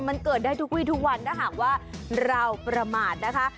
มันเกิดได้ทุกวีทุกวันถ้าหากว่าเราประมาทนะคะ